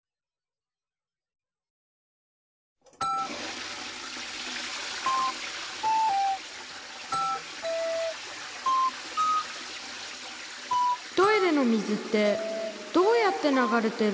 トイレの水ってどうやって流れてるんだろう？